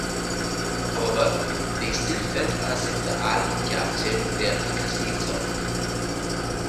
However, they still felt as if the album captured their aggressive sound.